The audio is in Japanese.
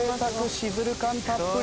シズル感たっぷり。